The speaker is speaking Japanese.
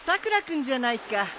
君じゃないか。